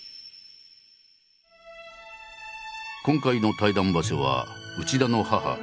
今回の対談場所は内田の母